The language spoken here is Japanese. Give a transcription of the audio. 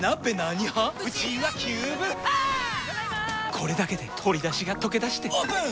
これだけで鶏だしがとけだしてオープン！